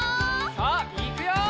さあいくよ！